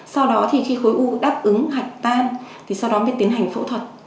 sau đó thì khi khối u đáp ứng hạch tan thì sau đó mới tiến hành phẫu thuật